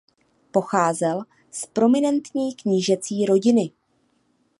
Pocházel z prominentní knížecí rodiny.